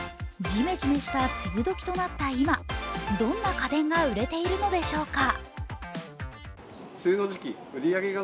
じめじめした梅雨時となった今、どんな家電が売れているのでしょうか。